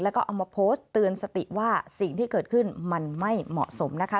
แล้วก็เอามาโพสต์เตือนสติว่าสิ่งที่เกิดขึ้นมันไม่เหมาะสมนะคะ